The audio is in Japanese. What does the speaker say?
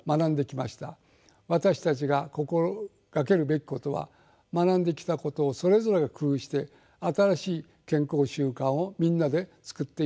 私たちが心掛けるべきことは学んできたことをそれぞれ工夫して「新しい健康習慣」をみんなで作っていくことです。